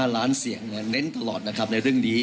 ๒๕ล้านเสียงเน้นตลอดในเรื่องนี้